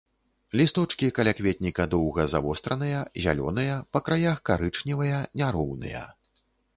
Лісточкі калякветніка доўга завостраныя, зялёныя, па краях карычневыя, няроўныя.